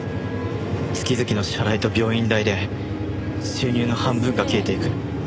月々の支払いと病院代で収入の半分が消えていく。